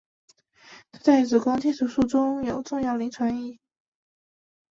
它在子宫切除术中有重要临床意义。